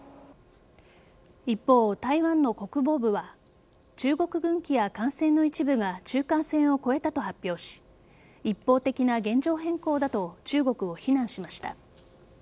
一方、台湾の国防部は中国軍機や艦船の一部が中間線を越えたと発表し一方的な現状変更だと中国を非難しました。